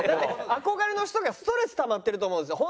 憧れの人がストレスたまってると思うんですよ。